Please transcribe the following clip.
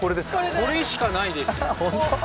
これしかないですよ！